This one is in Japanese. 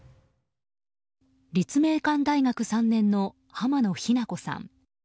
立命館大学３年の濱野日菜子さん。